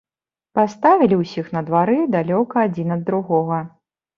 Паставілі ўсіх на двары, далёка адзін ад другога.